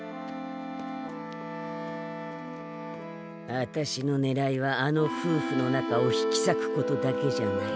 あたしのねらいはあのふうふの仲を引きさくことだけじゃない。